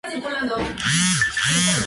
Camilo hizo dar la señal.